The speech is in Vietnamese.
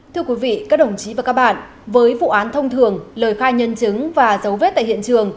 thưa quý vị các đồng chí và các bạn với vụ án thông thường lời khai nhân chứng và dấu vết tại hiện trường